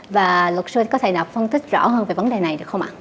và luật sư có thể đọc phân tích rõ hơn về vấn đề này được không ạ